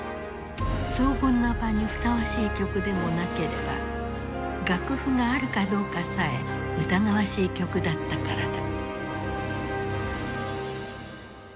荘厳な場にふさわしい曲でもなければ楽譜があるかどうかさえ疑わしい曲だったからだ。